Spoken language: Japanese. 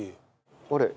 あれ？